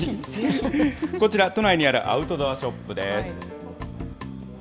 こちら、都内にあるアウトドアショップです。